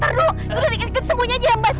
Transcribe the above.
teruk udah dikit kit sembunyianya ya mbak